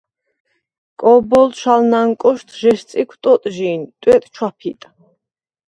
კო̄ბჷლდშვ ალ ნანკოშდ ჟ’ესწიქვ ტოტჟი̄ნ, ტვეტ ჩვაფიტ.